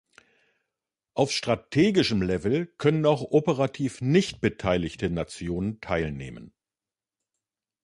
Auf strategischem Level können auch operativ nicht-beteiligte Nationen teilnehmen.